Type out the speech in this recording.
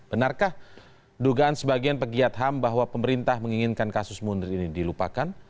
benarkah dugaan sebagian pegiat ham bahwa pemerintah menginginkan kasus munder ini dilupakan